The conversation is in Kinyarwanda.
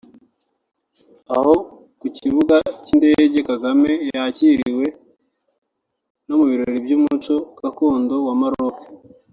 Aho ku kibuga cy’indege Kagame yakiriwe no mu birori by’umuco gakondo wa Maroc